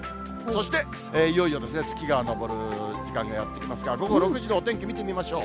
そしていよいよですね、月が昇る時間がやって来ますが、午後６時のお天気見てみましょう。